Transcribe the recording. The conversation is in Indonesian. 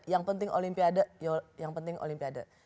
yang penting olimpiade yang penting olimpiade